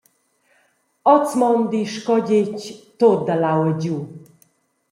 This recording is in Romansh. Oz mondi sco detg tut dall’aua giu.